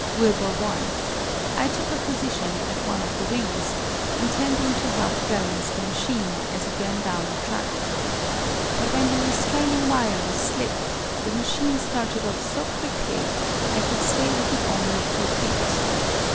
Wilbur won. I took a position at one of the wings, intending to help balance the machine as it ran down the track. But when the restraining wire was slipped, the machine started off so quickly I could stay with it only a few feet.